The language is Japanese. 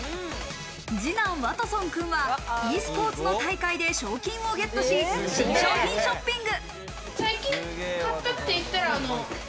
二男・ワトソンくんはｅスポーツの大会で賞金をゲットし新商品ショッピング。